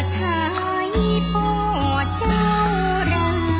ถึงต้นจงภาคาอิทธิ์ให้ไปตัวตรง